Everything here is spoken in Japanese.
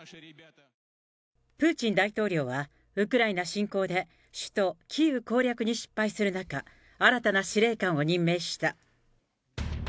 プーチン大統領は、ウクライナ侵攻で首都キーウ攻略に失敗する中、新たな司令官を任命した。